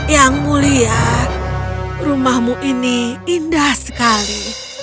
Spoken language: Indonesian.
yang mulia rumahmu ini indah sekali